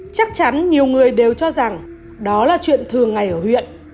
chắc chắn nhiều người đều cho rằng đó là chuyện thường ngày ở huyện